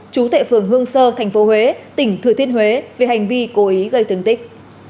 chú thệ phường hương sơ tp huế tỉnh thừa thiên huế về hành vi cố ý gây thương tích